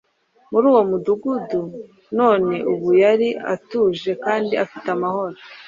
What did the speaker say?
muri uwo mudugudu none ubu yari atuje kandi afite amahoro.